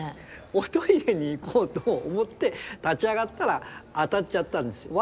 おトイレに行こうと思って立ち上がったら当たっちゃったんですよ。